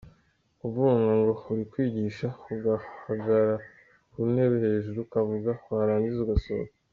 Kuvunga ngo uri kwigisha, ugahagarara ku ntebe hejuru ukavuga, warangiza ugasohoka.